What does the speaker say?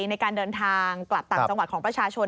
ในการเดินทางกลับต่างจังหวัดของประชาชน